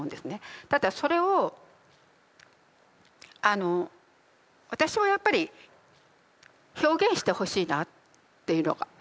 ただそれを私はやっぱり表現してほしいなっていうのがあって。